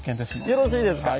よろしいですか？